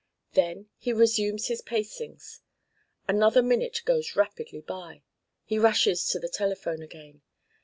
Then he resumes his pacings. Another minute goes rapidly by. He rushes to the telephone again.